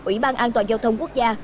ủy ban an toàn giao thông quốc gia